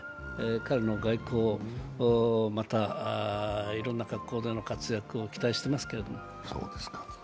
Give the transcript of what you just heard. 彼の外交、またいろんな格好での活躍を期待してますけれども。